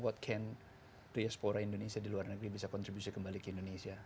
apa yang bisa diaspora indonesia di luar negeri bisa kontribusi kembali ke indonesia